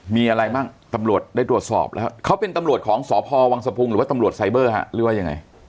มีอะไรบ้างตำรวจได้ตรวจสอบแล้วเขาเป็นตำรวจของสพวังสะพุงหรือว่าตำรวจไซเบอร์หรือว่ายังไง